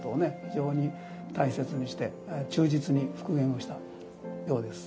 非常に大切にして忠実に復元をしたようです。